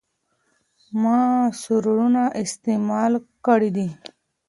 ما سرورونه استعمال کړي دي.